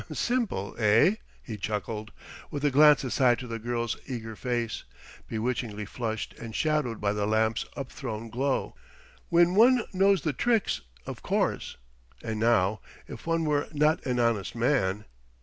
"Simple, eh?" he chuckled, with a glance aside to the girl's eager face, bewitchingly flushed and shadowed by the lamp's up thrown glow "when one knows the trick, of course! And now ... if one were not an honest man!"